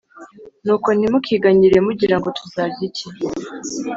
Nuko ntimukiganyire mugira ngo Tuzarya iki